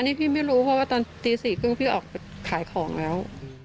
นี่พี่ไม่รู้เพราะว่าตอนตี๔๓๐พี่ออกไปขายของแล้ว